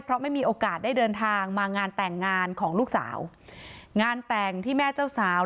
เพราะไม่มีโอกาสได้เดินทางมางานแต่งงานของลูกสาวงานแต่งที่แม่เจ้าสาว